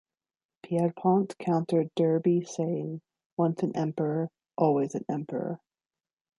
Pierrepont countered Derby saying, Once an Emperor always an Emperor.